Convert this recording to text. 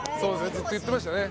ずっと言ってましたね